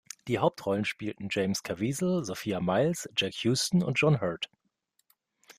Die Hauptrollen spielten James Caviezel, Sophia Myles, Jack Huston und John Hurt.